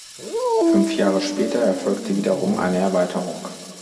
Fünf Jahre später erfolgte wiederum eine Erweiterung.